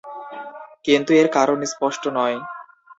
কিন্তু, এর কারণ স্পষ্ট নয়।